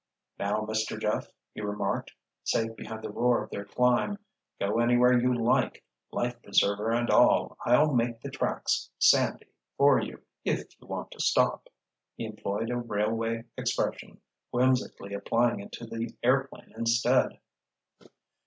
"Now, Mister Jeff," he remarked, safe behind the roar of their climb. "Go anywhere you like—life preserver and all. I'll make the tracks 'sandy' for you if you want to stop!" He employed a railway expression, whimsically applying it to the airplane instead.